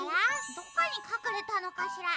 どこにかくれたのかしら。